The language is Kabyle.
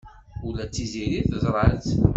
Ula d Tiziri teẓra-tt.